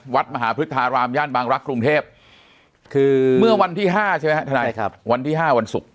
วัดมหาพฤทธารามย่านบางรักษ์กรุงเทพคือเมื่อวันที่๕ใช่ไหมครับทนายครับวันที่๕วันศุกร์